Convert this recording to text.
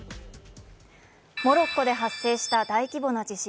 モロッコで発生した大規模な地震。